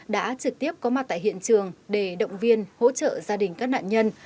đã trực tiếp có mặt tại hiện trường để động viên hỗ trợ gia đình các nạn nhân